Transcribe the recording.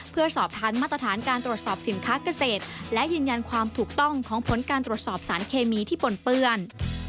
เพื่อสอบถามมาตรฐานการตรวจสอบสินค้าเกษตรและยืนยันความถูกต้องของผลการตรวจสอบสารเคมีที่ปนเปื้อน